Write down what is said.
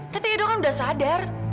tapi edo kan udah sadar